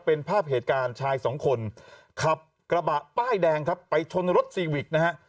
เป็นภาพเหตุการณ์ชายสองคนขับกระบะป้ายแดงครับไปชนรถซีวิกนะฮะ